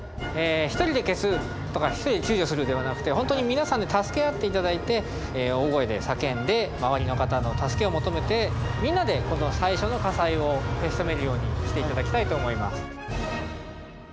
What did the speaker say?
一人で消すとか一人で救助するではなくて本当に皆さんで助け合っていただいて大声で叫んで周りの方の助けを求めてみんなでこの最初の火災を消し止めるようにしていただきたいと思います。